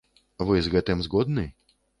Вы з гэтым згодны?